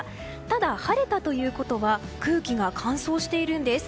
ただ、晴れたということは空気が乾燥しているんです。